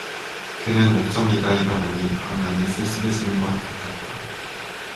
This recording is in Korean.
그는 옥점이가 일어나니 방 안이 쓸쓸해지는 것 같았다.